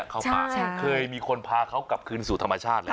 เข้าป่าเคยมีคนพาเขากลับคืนสู่ธรรมชาติแล้ว